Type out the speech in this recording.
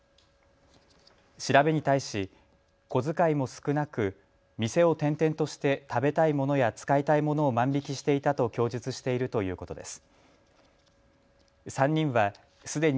調べに対し、小遣いも少なく店を転々として食べたいものや使いたいものを万引きしていたと供述しているということです。